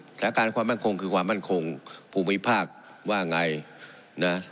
สถานการณ์ความมั่นคงคือความมั่นคงภูมิภาคว่าไงนะ